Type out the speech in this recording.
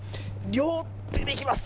両手でいきます。